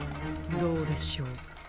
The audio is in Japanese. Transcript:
どうでしょう。